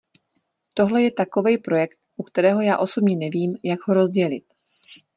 Tohle je takovej projekt, u kterého já osobně nevím, jak ho rozdělit.